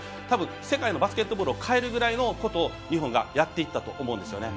世界のバスケットボールを変えるくらいのことを日本がやったと思うんですよね。